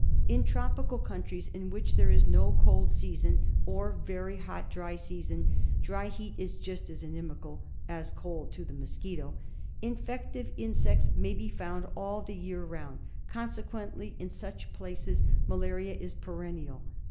In tropical countries in which there is no cold season or very hot dry season — dry heat is just as inimical as cold is to the mosquito — infective insects may be found all the year round ; consequently, in such places, malaria is perennial.